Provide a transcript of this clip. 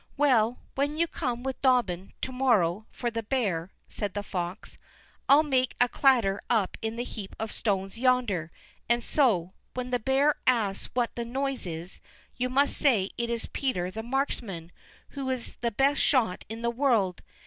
"Well, when you come with Dobbin, to morrow, for the bear," said the fox, "I'll make a clatter up in the heap of stones yonder, and so, when the bear asks what that noise is, you must say it is Peter the Marksman, who is the best shot in the world.